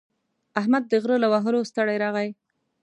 احمد د غره له وهلو ستړی راغی.